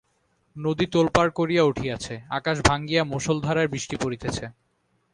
নদী তোলপাড় করিয়া উঠিয়াছে, আকাশ ভাঙিয়া মুষলধারায় বৃষ্টি পড়িতেছে।